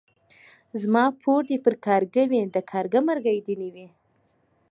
زما پور دي پر کارگه وي ،د کارگه مرگى دي نه وي.